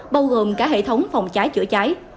bao gồm cả hệ thống phòng cháy chữa cháy